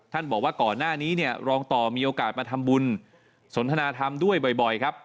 บอกว่าก่อนหน้านี้เนี่ยรองต่อมีโอกาสมาทำบุญสนทนาธรรมด้วยบ่อยครับ